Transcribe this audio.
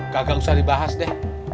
gak usah dibahas deh